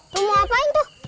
lu mau ngapain tuh